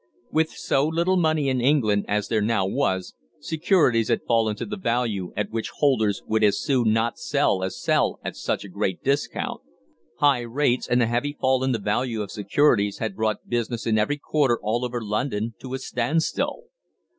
With so little money in England as there now was, securities had fallen to the value at which holders would as soon not sell as sell at such a great discount. High rates and the heavy fall in the value of securities had brought business in every quarter all over London to a standstill.